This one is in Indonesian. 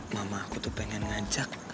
mama aku tuh pengen ngajak